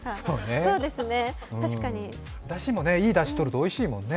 だしもいいだしとるとおいしいもんね。